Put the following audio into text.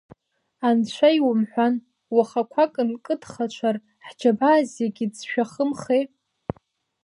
Анцәа иумҳәан, уаха қәак нкыдхаҽар, ҳџьабаа зегьы ӡшәахымхеи!